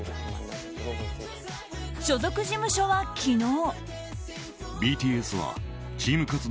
所属事務所は昨日。